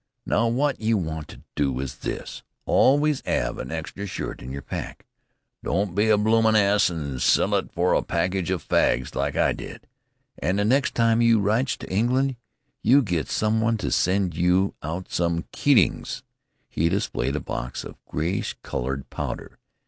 Now, wot you want to do is this: always 'ave an extra shirt in yer pack. Don't be a bloomin' ass an' sell it fer a packet o' fags like I did! An' the next time you writes to England, get some one to send you out some Keatings" he displayed a box of grayish colored powder.